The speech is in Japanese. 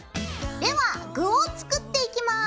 では具を作っていきます。